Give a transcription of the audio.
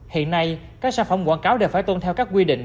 hiện nay các sản phẩm quảng cáo đều phải tôn theo các quy định